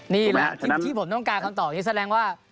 นี่แหละที่ผมต้องการคำตอบนี้แสดงว่า